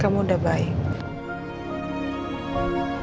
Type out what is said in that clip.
kamu udah baik